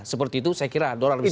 seperti itu saya kira dolar bisa